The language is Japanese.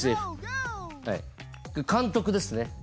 監督ですね。